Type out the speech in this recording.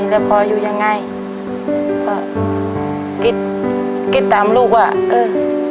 จะพออยู่ยังไงก็คิดคิดตามลูกว่าเออ